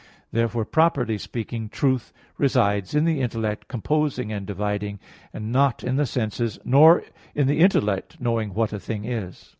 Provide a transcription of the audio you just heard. Therefore, properly speaking, truth resides in the intellect composing and dividing; and not in the senses; nor in the intellect knowing "what a thing is."